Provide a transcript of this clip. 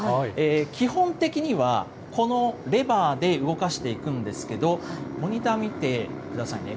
基本的には、このレバーで動かしていくんですけれども、モニター見てくださいね。